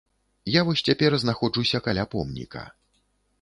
Я вось цяпер знаходжуся каля помніка.